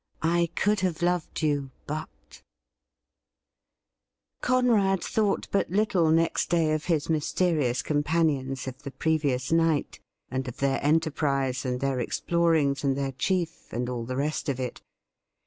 'I COULD HAVE LOVED YOU, BUT CoNRAD thought but little next day of his mysterious com panions of the previous night, and of their enterprise and their explorings and their chief, and all the rest of it.